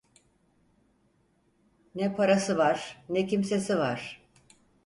Ne parası var, ne kimsesi var…